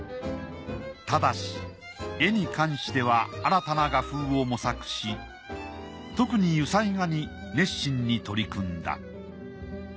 ただし絵に関しては新たな画風を模索し特に油彩画に熱心に取り組んだ。